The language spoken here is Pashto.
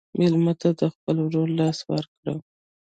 مېلمه ته د خپل ورور لاس ورکړه.